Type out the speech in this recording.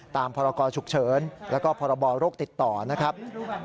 ตามภารกอชุกเฉินแล้วก็ภารกอโรคติดต่อนะครับ